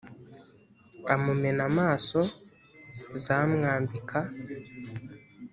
amumena amaso z amwambika